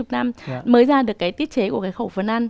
hai mươi năm mới ra được cái tiết chế của cái khẩu phần ăn